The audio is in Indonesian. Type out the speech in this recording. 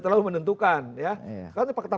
terlalu menentukan kan itu fakta